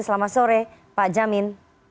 selamat sore pak jamin